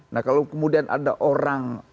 nah kalau kemudian ada orang